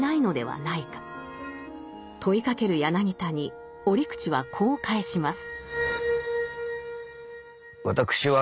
問いかける柳田に折口はこう返します。